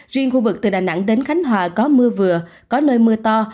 riêng khu vực từ đà nẵng đến khánh hòa có mưa vừa có nơi mưa to